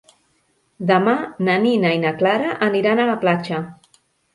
Demà na Nina i na Clara aniran a la platja.